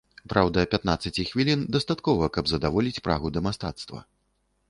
Праўда, пятнаццаці хвілін дастаткова, каб задаволіць прагу да мастацтва.